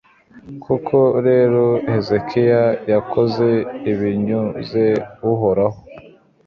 koko rero hezekiya yakoze ibinyuze uhoraho